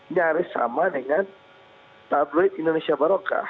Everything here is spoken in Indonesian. nyaris sama dengan tabloid indonesia barokah